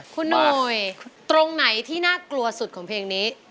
คุณหนุ่ยตรงไหนที่น่ากลัวสุดของเพลงนี้